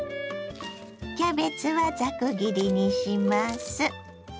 キャベツはざく切りにします。